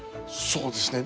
そうですね。